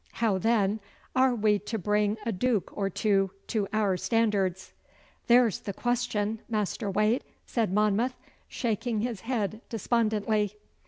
How, then, are we to bring a duke or two to our standards?' 'There's the question, Master Wade,' said Monmouth, shaking his head despondently.